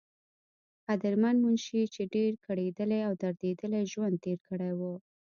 قدرمند منشي، چې ډېر کړېدلے او درديدلے ژوند تير کړے وو